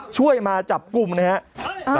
ช่วยมาจับกลุ่มนะครับ